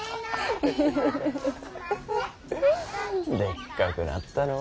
でっかくなったのう。